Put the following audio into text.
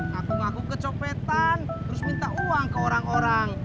ngaku ngaku kecopetan terus minta uang ke orang orang